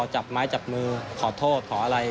จับไม้จับมือขอโทษขออะไร